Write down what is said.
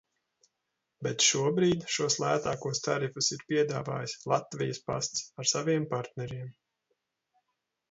"Bet šobrīd šos lētākos tarifus ir piedāvājis "Latvijas pasts" ar saviem partneriem."